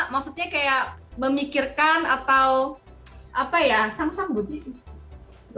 maksudnya kayak memikirkan atau apa ya sang sambut gitu